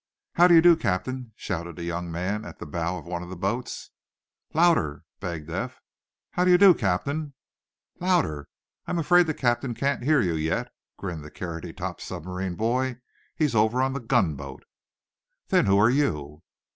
"How do you do, Captain?" shouted a young man at the bow of one of the boats. "Louder!" begged Eph. "How do you do, Captain?" "Louder. I'm afraid the captain can't hear you yet," grinned the carroty topped submarine boy. "He's over on the gunboat." "Then who are you?"